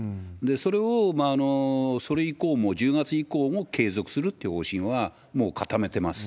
それをそれ以降も１０月以降も継続するという方針はもう固めてます。